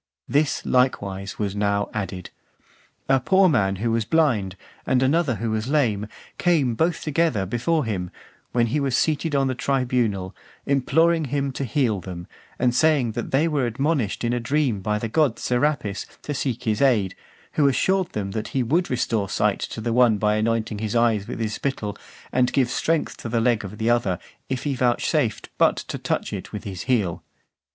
This, likewise, was now added. A poor man who was blind, and another who was lame, came both together before him, when he was seated on the tribunal, imploring him to heal them , and saying that they were admonished (450) in a dream by the god Serapis to seek his aid, who assured them that he would restore sight to the one by anointing his eyes with his spittle, and give strength to the leg of the other, if he vouchsafed but to touch it with his heel.